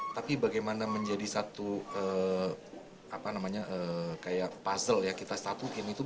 tapi bagaimana menjadi satu apa namanya kayak puzzle ya kita satuin itu